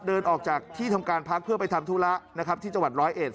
เดินออกจากที่ทำการพักเพื่อไปทำธุระนะครับที่จังหวัดร้อยเอ็ด